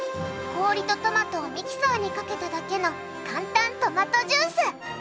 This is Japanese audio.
氷とトマトをミキサーにかけただけの簡単トマトジュース。